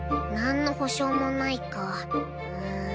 なんの保証もないかうん。